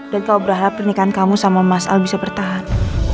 dan kamu berharap pernikahan kamu sama mas al bisa bertahan